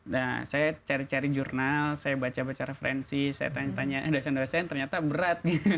nah saya cari cari jurnal saya baca baca referensi saya tanya tanya dosen dosen ternyata berat